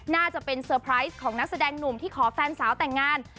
น่าจะเป็นเซอร์ไพรส์ของนักแสดงหนุ่มที่ขอแฟนสาวแต่งงาน